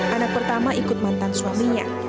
anak pertama ikut mantan suaminya